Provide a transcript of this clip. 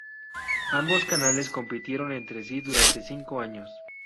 Ambos canales compitieron entre sí durante cinco años.